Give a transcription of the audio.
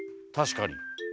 確かに。